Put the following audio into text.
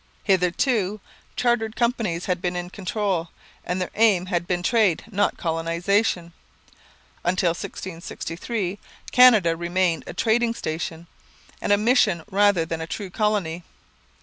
Hitherto chartered companies had been in control, and their aim had been trade, not colonization. Until 1663 Canada remained a trading station and a mission rather than a true colony.